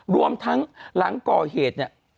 รวมทั้งหลังก่อเหตุเนี่ย